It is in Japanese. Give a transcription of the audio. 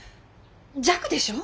「弱」でしょ？